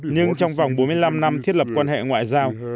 nhưng trong vòng bốn mươi năm năm thiết lập quan hệ ngoại giao